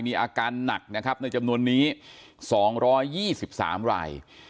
มีอาการหนักนะครับในจำนวนนี้สองร้อยยี่สิบสามราย